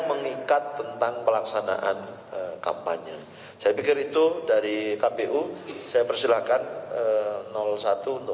mengikat tentang pelaksanaan kampanye saya pikir itu dari kpu saya persilahkan satu untuk